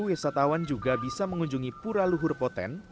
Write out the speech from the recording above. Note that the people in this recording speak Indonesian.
wisatawan juga bisa mengunjungi pura luhur poten